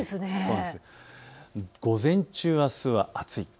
午前中、あすは暑い。